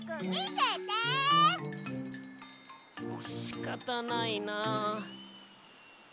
しかたないなあ。